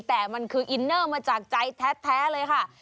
แต่มันคืออินเนอร์มาจากใจแท้เลยค่ะ